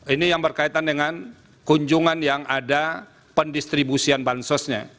ini yang berkaitan dengan kunjungan yang ada pendistribusian bansosnya